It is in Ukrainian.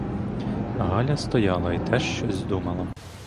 Галя стояла й теж щось думала.